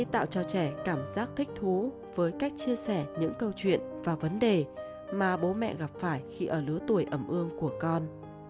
tạo cho trẻ cảm giác thích thú với cách chia sẻ những câu chuyện và vấn đề mà bố mẹ gặp phải khi ở lứa tuổi ẩm ương của con